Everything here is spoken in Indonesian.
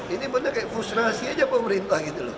ini benar kayak frustrasi aja pemerintah gitu loh